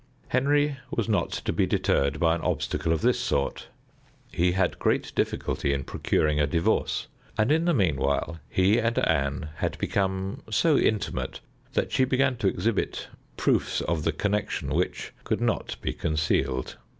Henry was not to be deterred by an obstacle of this sort. He had great difficulty in procuring a divorce, and in the mean while he and Anne had become so intimate that she began to exhibit proofs of the connection which could not be concealed.